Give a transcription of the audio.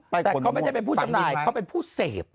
แต่เขาไม่ได้เป็นผู้จำหน่ายเขาเป็นผู้เสพ